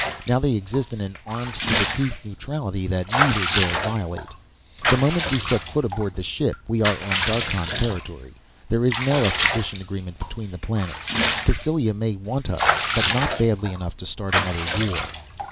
Now they exist in an armed to the teeth neutrality that neither dare violate. The moment we set foot aboard the ship we are on Darkhan territory. There is no extradition agreement between the planets. Cassylia may want us but not badly enough to start another war."